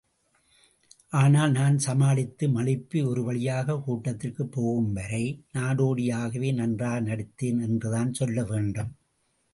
ஆனால் நான் சமாளித்து, மழுப்பி ஒரு வழியாக கூட்டத்திற்குப் போகும்வரை நாடோடி யாகவே நன்றாக நடித்தேன் என்றுதான் சொல்லவேண்டும்.